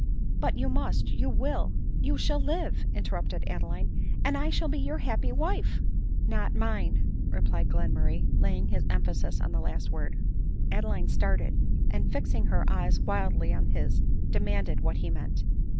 181 "But you must, you will, you shall live," interrupted Adeline, " and 1 shall be your happy wife." " Not mine" replied Glenmurray, laying an emphasis on the last word. Adeline started, and fixing her eyes wildly on his, demanded what be meant.